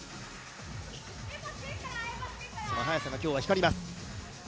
その速さが今日は光ります。